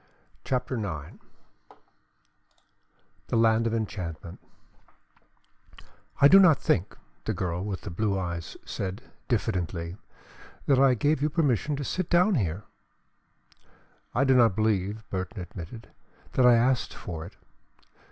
CHAPTER IX THE LAND OF ENCHANTMENT "I do not think," the girl with the blue eyes said, diffidently, "that I gave you permission to sit down here." "I do not believe," Burton admitted, "that I asked for it.